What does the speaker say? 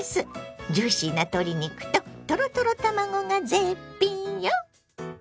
ジューシーな鶏肉とトロトロ卵が絶品よ！